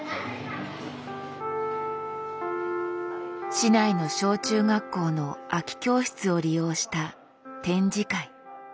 市内の小中学校の空き教室を利用した展示会。